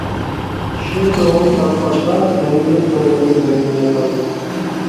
ئىشنى تۇرغۇن تاپقاچقا ھەممىمىز تۇرغۇندىن بەك مىننەتدار بولدۇق.